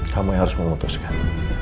kamu yang harus memutuskan